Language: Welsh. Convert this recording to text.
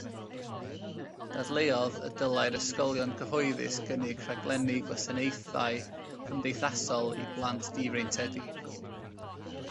Dadleuodd y dylai'r ysgolion cyhoeddus gynnig rhaglenni gwasanaethau cymdeithasol i blant difreintiedig.